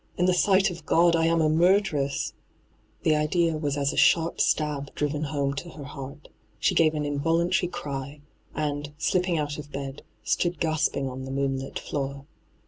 In the sight of God I am a murderess I' The idea waa as a sharp stab driven home to her heart ; she gave an involuntary cry, and, slipping out of bed, stood gasping on the moonlit floor.